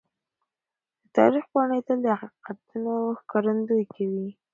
د تاریخ پاڼې تل د حقیقتونو ښکارندويي کوي.